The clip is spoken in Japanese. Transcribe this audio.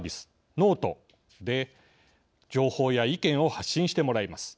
ｎｏｔｅで情報や意見を発信してもらいます。